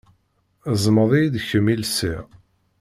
Ẓmeḍ-iyi d kemm i lsiɣ.